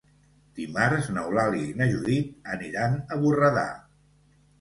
Dimarts n'Eulàlia i na Judit aniran a Borredà.